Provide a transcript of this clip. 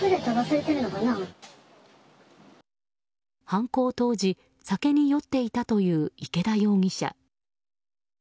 犯行当時酒に酔っていたという池田容疑者。